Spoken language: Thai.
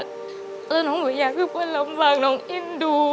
แล้วน้องอย่างคือเป็นลำบากน้องอินดู